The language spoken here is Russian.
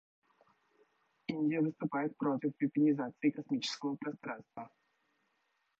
Индия выступает против вепонизации космического пространства.